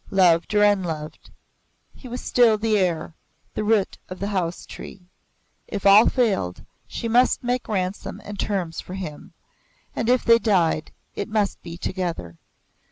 Loved or unloved, he was still the heir, the root of the House tree. If all failed, she must make ransom and terms for him, and, if they died, it must be together.